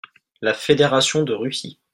La Fédaration de Russie.